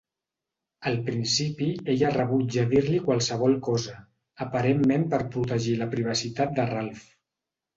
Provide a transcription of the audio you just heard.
Al principi ella rebutja dir-li qualsevol cosa, aparentment per protegir la privacitat de Ralf.